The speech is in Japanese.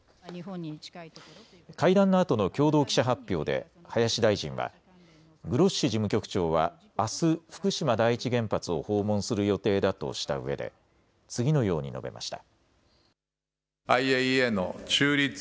会談のあとの共同記者発表で林大臣はグロッシ事務局長はあす福島第一原発を訪問する予定だとしたうえで次のように述べました。